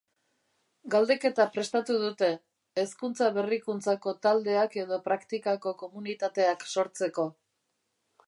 Galdeketa prestatu dute, hezkuntza-berrikuntzako taldeak edo praktikako komunitateak sortzeko.